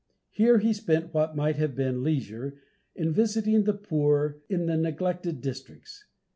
Here he spent what might have been leisure, in visiting the poor in the neglected districts.